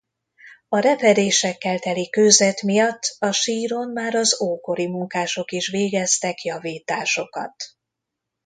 A repedésekkel teli kőzet miatt a síron már az ókori munkások is végeztek javításokat.